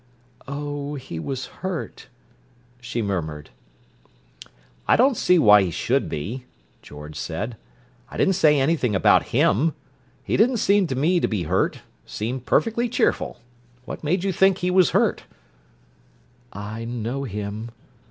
"Oh, he was hurt!" she murmured. "I don't see why he should be," George said. "I didn't say anything about him. He didn't seem to me to be hurt—seemed perfectly cheerful. What made you think he was hurt?" "I know him!"